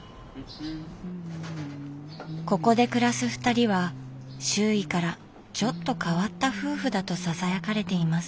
ここで暮らすふたりは周囲からちょっと変わった夫婦だとささやかれています。